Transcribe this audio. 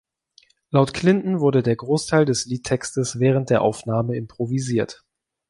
Laut Clinton wurde der Großteil des Liedtextes während der Aufnahme improvisiert.